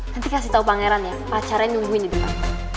nanti kasih tau pangeran ya pacarnya yang nungguin di depan